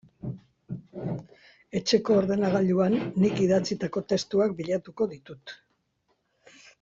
Etxeko ordenagailuan nik idatzitako testuak bilatuko ditut.